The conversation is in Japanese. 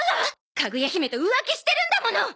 かぐや姫と浮気してるんだもの！